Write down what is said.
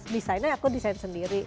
desainnya aku desain sendiri